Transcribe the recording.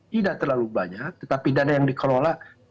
tidak terlalu banyak tetapi dana yang dikelola